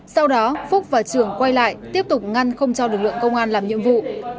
sau đó phúc và trường quay lại tiếp tục ngăn không cho lực lượng công an làm nhiệm vụ